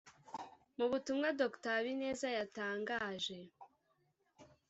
mu butumwa dr habineza yatangaje